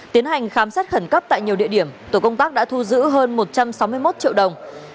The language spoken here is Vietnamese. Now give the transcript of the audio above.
tiến hành khám xét khẩn cấp tại nhiều địa điểm tổ công tác đã thu giữ hơn một trăm sáu mươi một triệu đồng